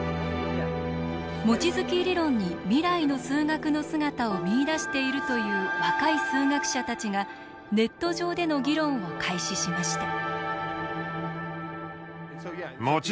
望月理論に未来の数学の姿を見いだしているという若い数学者たちがネット上での議論を開始しました。